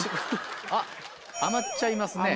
あっ余っちゃいますね。